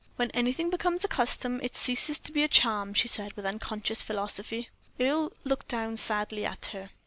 "When anything becomes a custom it ceases to be a charm," she said, with unconscious philosophy. Earle looked down sadly at her.